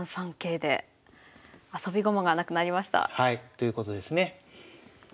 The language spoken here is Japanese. ということですね。